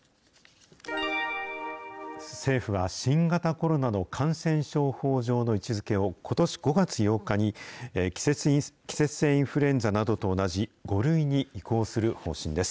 政府は新型コロナの感染症法上の位置づけを、ことし５月８日に季節性インフルエンザなどと同じ、５類に移行する方針です。